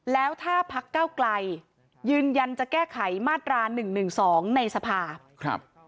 แล้วถ้าพักเก้าไกลยืนยันจะแก้ไขมาตรา๑๑๒ในสภา